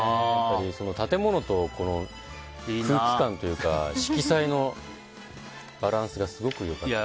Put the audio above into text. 建物と、空気感というか色彩のバランスがすごく良くて。